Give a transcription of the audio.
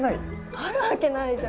あるわけないじゃん。